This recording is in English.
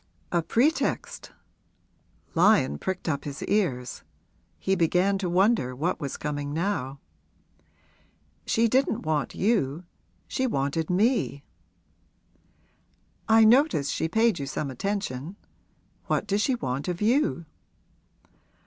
'A pretext?' Lyon pricked up his ears he began to wonder what was coming now. 'She didn't want you she wanted me.' 'I noticed she paid you some attention. What does she want of you?'